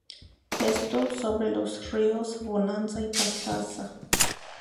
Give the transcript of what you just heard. Esto sobre los ríos Bonanza y Pastaza.